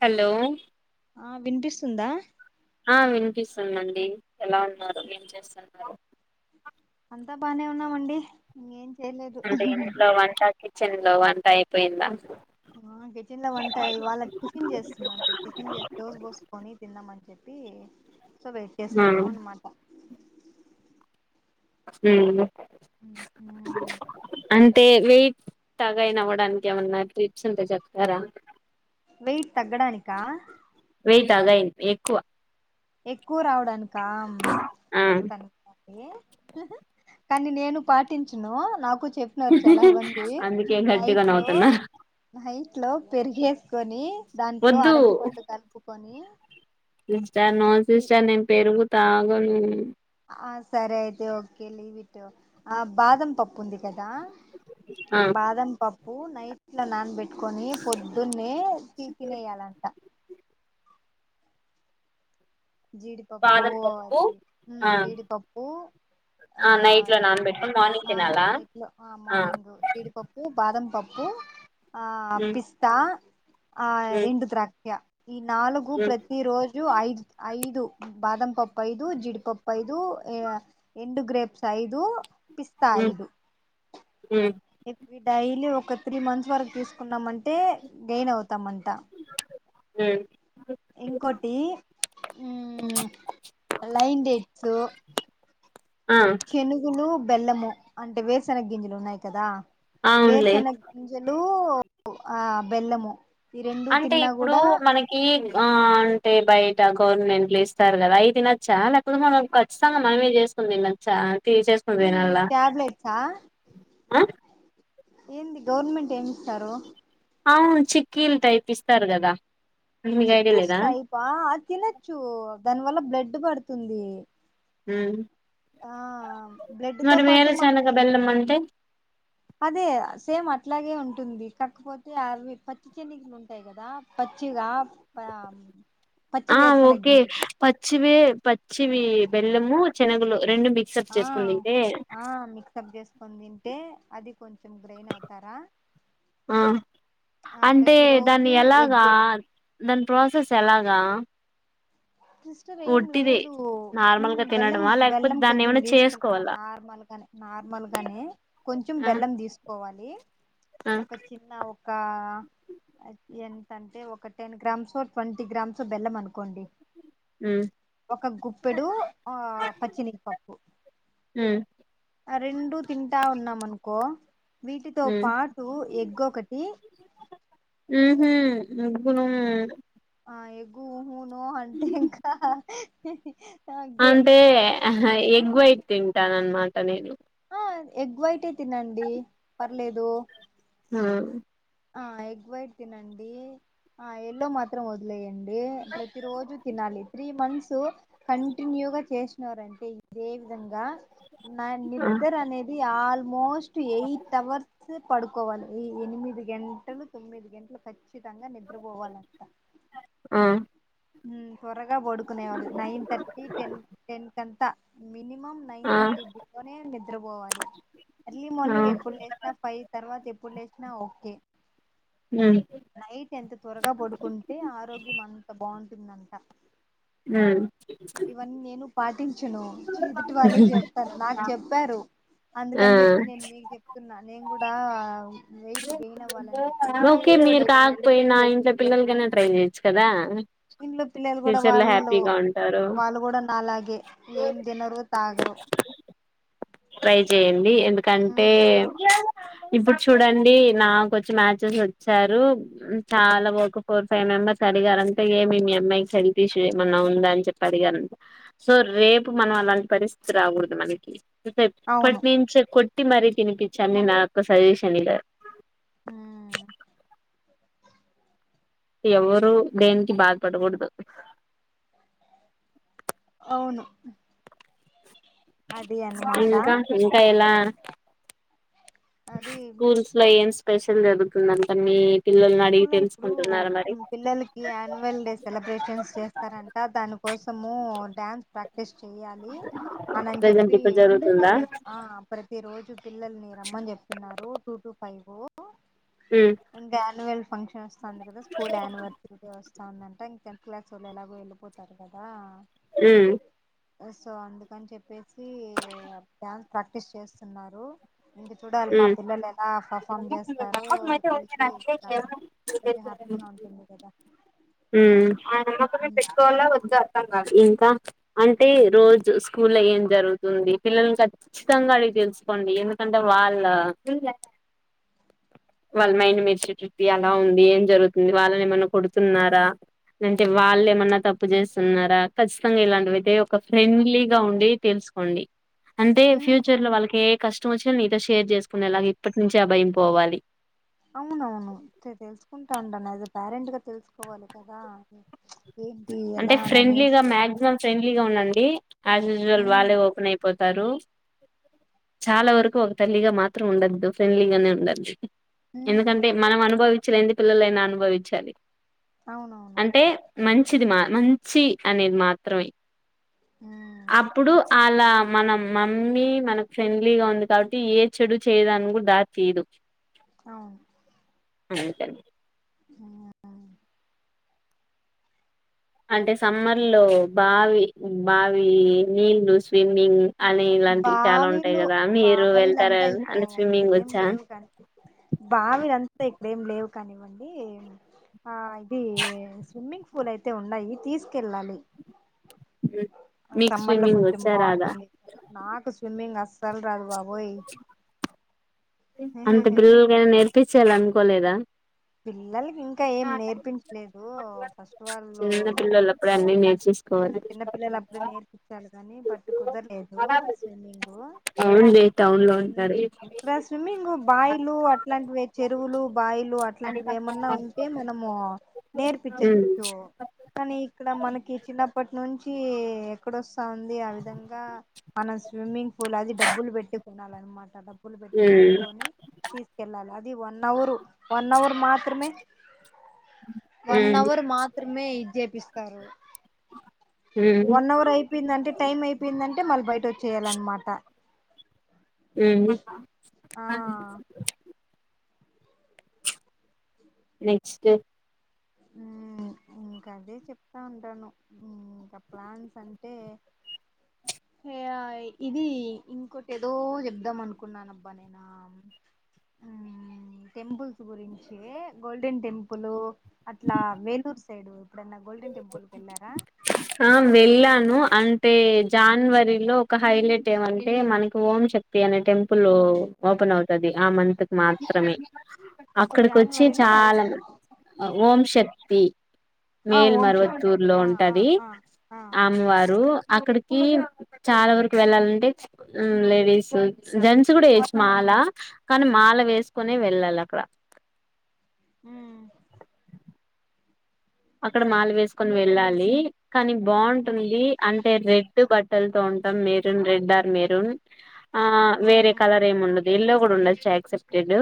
Hello ఆ వినిపిస్తుంద ఆ వినిపిస్తుందండి ఎలా ఉన్నారు ఏం చేేస్తున్నారో అంతా బానే ఉన్నామండి ఇంకేం అంటె ఇంట్లో వంట కి కిచేన్లో వంట అయిపోయిందా ఆ కిచెన్ లో వంటాయి వాళ్ళ టిఫిన్ చేస్తున్నాను టిఫిన్ చేసి దొస్ బోసుకొని తినేదామని చెప్పి పి సో వెయిట్ ఆ చేస్తున్నావ్ అన్ మాట హ ఉ తె వెయిట్ తగయిన్ అవ్వడానికి ఏమన్నా ట్రిప్స్ ఉంటె చెప్పరా వెయిట్ తగ్గడానికా తగయింద్ ఎక్కువ ఎక్కువ రావడానిక ఆ చెప్తాను కానీ నేను పాటించను నాకు చె చెప్పినారు చాలా మంది అందుకే గట్టిగా నైట్ లో నవ్వుతున్నా నైట్ ఇంట్లో పెరుగు ఎసుకొని దాంట్లో వద్దు అరటి పండు కలుపు కొన్ని సిస్టర్ నో సిస్టర్ నేను పెరుగు తాగను ఆ సరే అయితె ఓకె లీవిట్ ఆ బాదం పప్పు ఉంది కదా ఆ బాదం పప్ ప్పు నైట్ల నాన్ పెట్ ట్టుకొని పొద్దున్నే తీసి తినేయాలంట జీడిపప్పు బాదం పప్పు అది ఆ జీడిపప్పు ఆ నైట్ లో నానబెట్టుకొని మార్నింగ్ ఆ తినాలా నైట్ లో ఆ మార్నింగ్ జీడిపప్పు బాదం పప్పు కు ఆ ఉమ్ పిస్తా ఆ ఉమ్ ఎండు ద్రాక్ష ఈ నాలుగు ఉమ్ ప్రతి రోజు ఐదు ఐదు బాదం పప్పు ఐదు జిడిపప్పు ఐదు ఎండు గ్రేప్స్ ఐదు పిస్తా ఐదు ఉ ఇవి డైలి ఒక త్రీ మంత్స్ వరకు తీసుకున్నామంటే గెయిన్ అవుతాం అంట హుమ్ ఇంకోటి లైన్ డేట్స్ ఆ చెనుగులు బెల్లము అంటే వేరుసన గింజలు ఉన్నాయి కదా అవునులే వేరుసన గింజలు ఆ బెల్లము ఈ రెండు అంటే తిన్నా ఇప్పుడు కూడా మనకి ఆ అంటే బయ ట గవర్నమెంట్లు ఇస్తారు కదా అయి తినచ్చ లేకపోతే. మనం ఖచ్చితంగా మనమే చేసుకొని తినచ్చా. ఏంది ట్యాబ్లెట్సా అ ఏంది గవర్నమెంట్ ఏమి ఇస్తారు. అవును చిక్కీలు టైపిస్తారు కదా. మీకు ఐడియా చిక్కిస్ లేదా టైపా అది తినొచ్చు దాని వల్ల, బ్లడ్ పడుతుంది. ఊ ఆ బ్లడ్ తో మరి పాటు మన వేరుశనగ బెల్లమంటే? అదే సేమ్ అట్లాగే ఉంటుంది కాకపోతే అవి పచ్చి చెనిగలు ఉంటాయి కదా పచ్చిగా. ప పచ్చి ఆ వేరుశనగ ఓకే గింజలు పచ్చివే పచ్చివి బెల్లము. చనగలు ఆ ఆ మిక్సప్ చేసుకొని తింటే అది కొంచెం గ్రైన్ అవుతారా ఆ ఆ అంటే ప్రతి దాన్ని రోజు ఎలాగా. ఎగ్ దాని ప్రాసెస్ ఎలాగా. కష్టం ఏం ఒట్టిదే లేదు హూ నార్మల్ గా బెల్లం, తినడమా లేకపోతే బెల్లం దాన్ని కొంచెం ఏమైనా తీసుకున్న చేసుకోవాలా నార్మల్ గానే, నార్మల్ గానే కొంచెం ఆ బెల్లం తీసుకోవాలి. ఆ ఒక చిన్న ఒక అంటే ఒక టెన్ గ్రామ్స్ ఓ ట్వంటీ గ్రామ్స్ ఓ బెల్లం అనుకోండి. ఉమ్ ఒక గుప్పెడు, ఆ పచ్చెనగపప్పు. ఉమ్ ఆ రెండు తింటా ఉన్నామనుకొ. కో వీటితో ఉమ్ పాటు ఎగ్ ఒకటి ఎగ్ నో ఆ ఎగ్గు ఊహూ నో అంటే ఇంకా గే అంటే అహా ఎగ్ వైట్. తింటానన్నమాట నేను ఆ ఎగ్ వైటే తినండి పర్లేదు హా ఆ ఎగ్ వైట్ తినండి ఆ ఎల్లో మాత్రం వదిలేయండి ప్రతి రోజు తినాలి త్రీ మంత్స్. సో కంటిన్యూగా చేసినారంటే ఇదే విధంగా నా ఆ నిద్ర అనేది ఆల్మోస్ట్ ఎయిట్ అవర్స్ సు పడుకోవాలి ఈ ఎనిమిది గంటలు తొమ్మిది గంటలు కచ్చి చ్చితంగా నిద్రపోవాలంట ఆ ఉ త్వరగా పడుకునేవాళ్ళు నైన్ థర్టీ టెన్ టెన్ కంతా మినిమం నైన్ ఆ థర్టీ బిలోనే నిద్రపోవాలి. ఎర్లీ ఆ మార్నింగ్ ఎప్పుడు లేచినా, ఫైవ్ తర్వాత ఎప్పుడు లేచినా ఓకే, ఉమ్ నైట్ ఎంత త్వరగా పడుకుంటే ఆరోగ్యం అంత బాగుం దంట ఉమ్ పాటించను ఎదుటి వాళ్ళకి చెప్తాను నాకు చెప్పారు ఆ అందుకని చెప్పి నేను మీకు చెప్తున్నా నేను కూడా వెయిట్ గెయిన్ అవ్వాలని చెప్పేసి ఓకే మీరుకాకపోయినా ఇంట్లో పిల్లలకైన ట్రైన్ చేయచ్చు కదా ఇంట్లో పిల్లలు కూడా ఫ్యూచర్ లో వాళ్ళు, హ్యాపీగా ఉంటారు వాళ్ళు కూడా నాలాగే ఏం తినరు తాగరు. ట్రై చేయండి ఎందుకంటే ఇప్పుడు చూడండి నాకోచ్చి మ్యాచెస్ వచ్చారు. చాలా ఒక ఫోర్ ఫైవ్ మెంబర్స్ అడిగారంటే, ఏమి మీ అమ్మాయికి హెల్త్ ఇష్యూ ఏమన్నా ఉందా అని చెప్పి అడిగారంట సో రేపు మనం అలాంటి పరిస్థితి రాకూడదు మనకి, అవును ఏపట్ని నుంచి కొ టి మరి తినిపించాం నిన్న నాకు సజెషన్ ఇల్ ఉమ్ ఎవరు బ్రెన్ కి బాధపడకూడదు అవును అది అన్నమాట ఇంకా ఇంకా ఎలా అది స్కూల్స్ లో ఏం స్ స్పెషల్ జరుగుతుందంట మీ పిల్లల్ని అడిగి స్కూల్లో ఇప్పుడు తెలుసుకుంటున్నారా మరి పిల్లలకి అనువల్ డే సెలబ్రేషన్స్ చేస్తారంట, దాని కోసము డ్యాన్స్ ప్రాక్టీస్ చెయ్యాలి అనని ప్రజెంట్ చెప్పి ఇప్పుడు ప్రతి జరుగుతుందా రోజు ఆ ప్రతి రోజు, పిల్లలని రమ్మని చెప్తున్నారు టూ టు ఫైవు ఉమ్ అంటే అన్వల్ ఫంక్షన్ వస్తుంది కదా స్కూల్యానివర్సరీ వస్తా దంట ఇంక టెన్త్ క్లాస్ వాళ్ళు ఎలాగో వెళ్ళిపోతారు కదా ఉమ్ సో అందుకని చెప్పేసి డ్యాన్స్ ప్రాక్టీస్ చేస్తున్నారు ఇంకా చూడాలి మా ఉమ్ పిల్లలు ఎలా పర్ఫామ్ చేస్తారు చూసి కొంచెం హ్యాపీగా ఉంటుంది కదా హ్మ్మ్ ఆ నమ్మకమే ఉమ్ పెట్టుకోవాలా వద్దు అర్థం కాదు అంటే రోజు స్కూల్ ఏం జరుగుతుంది పిల్లని చ్చితంగా అడి తెలుసుకోండి ఎందుకంటే వాళ్ళ వాళ్ళ మైండ్ మర్ట ఎలా ఉంది ఏం జరుగుతుంది వాళ్ళని ఏమన్నా కొడుతున్న అంటే వాళ్ళు ఏమన్నా తప్పు చేస్తున్నారా ఖచ్చితంగా ఇలాంటివిైతే ఒక ఫ్రెండ్లీగా ఉండి తెలుసుకోండి అంటే ఫ్యూచర్ లో వాళ్ళకి కష్టం వచ్చిన నీతో షేర్ చేసుకునేలాగ ఇప్పటి నుంచిే అ భయం పోవాలి అవునవునుే తెలుసుకుంటా ఉంను యాజ్ పేరెంట్ గా తెలుసుకోవాలి కదా ఏంటి అంటే ఎలా అని ఫ్రెండ్లీగా అనేసి మ్యాక్సిమం ఫ్రెండ్ గా ఉండండి అస్ ఉస్యాల్ ఉమ్ వల్లే ఓపెన్ అయిపో ారు చాలా వరకు ఒక తల్లిగా మాత్రం ఉండద్దు ఫ్రెండ్లీగానే ఉండాలీ ఉమ్ ఎందుకంటే ఉమ్ మనం అనుభవించలే ఎందుకు పిల్లలైనా అనుభవించాలి అవునవును అంటే మంచిది మా మంచి అనేది మాత్రమే ఉమ్ అప్పుడు అలా మన మమ్మీ మనకు ఫ్రెండ్లీగా ఉంది కాబట్టి ఏ చెడు చేయదానికి కూడా దాచయదు అవును అ సం హ్మ్మ్ అంటే సమ్మర్ లో బావి బావి నీళ్లు స్విమ్మింగ్ అని ఇలాంటివి చాలా ఉంటాయి బావిలు కదా మీరు వెళ్తారా బావిలుంతా ఇక్కడ అంటే స్విమ్మింగ్ ఇక్కడేం వచ్చా లేవు కానీపి బావిలంతా ఇక్కడేం లేవు కానివ్వండి ఆ ఇది స్విమ్మింగ్ పూల్ అయితే ఉన్నాయి తీసుకెళ్ళాలి మీక్ సమ్మర్ లో స్విమ్మింగ్ కొంచెం వచ్చా రదా బాగుంటుంది నాకు స్విమ్మింగ్ అస్సల్ రాదు బబూ ఓయ్ అంత బిల్ల్గా నేర్పిించస్త చేాల అనుకోలేదా పిల్లలకి ఇంకా ఏం నేర్పించలేదు ఫస్ట్ చిన్న పిల్లలప్పుడే వాళ్ళుప్పుడు అన్ని చిన్న పిల్లలు అప్పుడే నేర్చేసుకోవాలి నేర్పించాలి కాని పట్టు కుదరలేదు స్విమ్మింగ్ అవునులే టౌన్ లో ఉంటారు ఇ స్మ్ బాయిలు అట్లాంటివి చెరువులు బాయిలు ఇలాంటివి ఏమన్నా ఉంటే మనము ఉమ్ నేర్పించచ్చు కానీ ఇక్కడ మనకి చిన్నప్పటి నుంచి ఎక్కడొస్తాంది ఆ విధంగా మనం స్విమ్మింగ్ పూల్ అది డబ్బులు పెట్టు కొనాలన్నమాట లు పెట్టి ఉమ్ కొనుక్కొని తీసుకెళ్ళాలి వన్ అవర్ వన్ అవర్ మాత్రమే వన్ ఉమ్ అవర్ మాత్రమే ఇజెపిస్ తరు ఉమ్ వన్ అవర్ అయిపోయింది అంటే టైం అయిపోయిందంటే అంటే మళ్ బయట వచ్చేయాలన్మాట హ్మ్ ఆ నెక్స్ట్ ఇంకా అదే చెప్తా ఉంటాను ఇంకా ప్లాన్స్ అంటే ఇది ఇంకోటి ఏదో చెప్దాం అనుకున్నానుబ్బా నేను టెంపుల్స్ గురించి గోల్డెన్ టెంపుల్ అట్లా వేలూరు సైడ్ ఇప్పుడన్న ఆ మెలను అ అ జానవరిలో ఒక హైలైట్ ఏమంటే మనకి ఓంశక్తి అనే టెంపుల్ ఓపెన్ అవుతుది ఆ మంత అకు మాత్రమే అక్కడికి వచ్చి జనవరిలో చాలా ఓం శక్తి ఆ మేల్ ఓం మర శక్తి వత్తూరు లో ఆ ఆ ఉంటది ఆ ఆ అమ్మవారు అక్కడి చాలా వరకు వెళ్ళాలంటే లేడీస్ జెంట్స్ కూడా వేయొచ్చు మాల కానీ మాల వేసుకునే వెళ్ళాలి అక్కడ హ్మ్ అక్కడ మాల వేసుకొని వెళ్ళాలి కనీ ఉమ్ బాగుంటుంది అ రెడ్ బట్టలతో ఉంటాం మెరూన్ రెడ్ ఆర్ మెరూన్ ఆ ఉమ్ వేరే కలర్ ఏమి ఉండదు దీలో కూడా ఉండొచ్చు యాక్సెప్టెడ్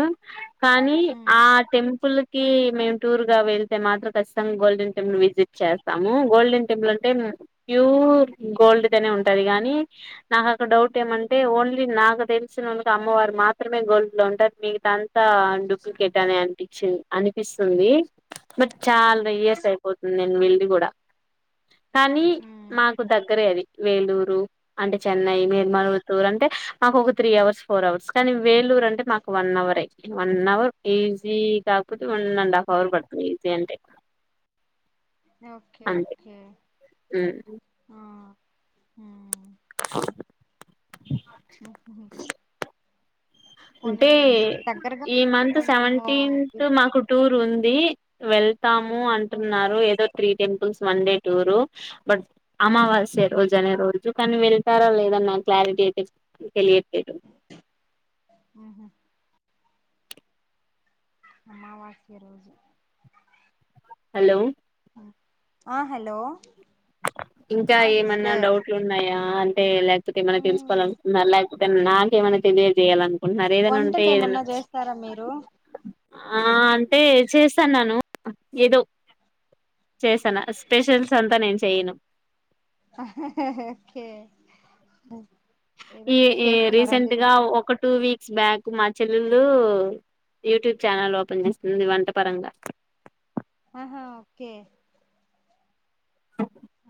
కానీ ఉమ్ ఆ టెంపుల్ కి మేం టూర్ గా వెళ్తే మాత్రం కష్ట మంగా గోల్డెన్ టెంపుల్ విజిట్ చేస్తాము గోల్డెన్ టెంపుల్ అంటే ప్యూర్ గోల్డ్ అనే ఉంటుది కాగానీ నాకక్క డౌట్ ఏమంటే ఓన్లీ నాకు తెలిసినందుకు అమ్మవారు మాత్రమే గోల్డ్ లో ఉంటారు మిగతా అంతా డూప్లికేట్ అని అనిపించి అనిపిస్తుంది మరి చాల ఉమ్ స్ అయిపోతుంది నేను వెళ్ళి కూడ కానీ ఉమ్ మాకు దగ్గరే అది వేలూరు అంటే చెన్నై నిర్మల్త్తూర్ అంటే మాకు ఒక త్రీ అవర్స్ ఫోర్ అవర్స్ కానీ వేలూరు అంటే మాకు వన్ అవర్ అయింది వన్ అవర్ ఈజీ కాకపోతే వన్ అండ్ హాఫ్ అవర్ పడుతుంది ఈజీ అంటే ఒకే అంతే ఒకే ఆ హ్మ్ ఉహుహు. అంటే పోనీలేండి దగ్గరగా ఈ ఉంటే మంత్ కొంచెము సెవెంటీన్త్ మాకు టూర్ ఉంది వెల్ స్తాము ఉమ్, అంటున్నారు ఏదో three temples one day tour but అమావాస్య రోజు అనే రోజు కానీ వెళ్తారా లేద నా క్లారిటీ అయితే తెలియట్లేదు. ఆహ అమావాస్య రోజు హలో ఆ హలో ఇంకా ఆ ఏమన్నా సిస్టర్ డౌట్లు ఉన్నాయా అంటే లేకపోతే ఏమనా ఉమ్ తెలుసుకోవాల అనుకొంటున్నారా. లేకపోతే నాకేమైనా తెలియజేయాలను కుంటూన్నార ఏదనా ఉంటే వంటలు ఏదనా ఏమన్నా చేస్తారా మీరు ఆ అంటే చేస్తాన్నాను. ఏదో చేస్తనా స్పెషల్స్ అంతా నేను చేయను ఓకే ఏదో ఈ ఈ చేస్తున్నారంతే రీసెంట్ గా చేస్ ఒక టూ వీక్ స్ బ్యాక్ మా చెల్లెలు యూట్యూబ్ ఛానల్ ఓపెన్ చేసింది వంటపరంగా ఆహా ఓకే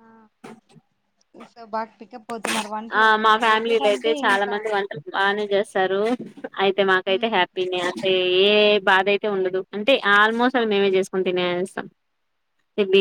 ఆ సో బాక్పి ఆ మా ఫ్యామిలీలో అయితే చాలా ఇంకా మంది వంట బాగానే చేస్తారు. అయితే మాకైతే ఉమ్ హ్యాపీనే అంటే ఏ బాధ అయితే ఉండదు. అంటే ఆల్మోస్ట్ ఆల్ మేమే చేసుకుని తినేస్తాం. May be